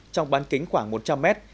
trong ban kính khoảng một trăm linh mét